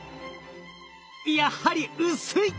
やはり薄い！